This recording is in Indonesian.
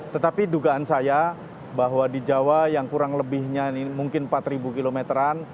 tetapi dugaan saya bahwa di jawa yang kurang lebihnya mungkin empat kilometeran